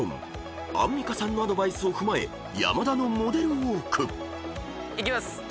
［アンミカさんのアドバイスを踏まえ山田のモデルウォーク］いきます。